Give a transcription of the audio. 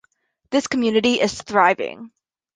This community is thriving.